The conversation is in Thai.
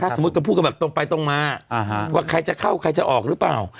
สมมติพูดตรงไปตรงมาว่าใครจะเข้าใครจะออกหรือไม่